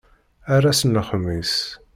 Ar ass n lexmis!